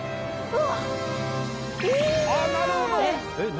うわっ！